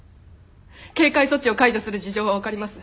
警戒措置を解除する事情は分かります。